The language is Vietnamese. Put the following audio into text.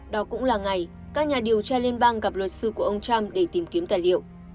đó cũng là ngày các nhà điều tra liên bang gặp luật sư của ông trump để tìm kiếm tài liệu